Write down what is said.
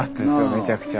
めちゃくちゃ。